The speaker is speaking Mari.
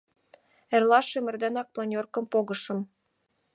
Эрлашым эрденак планёркым погышым.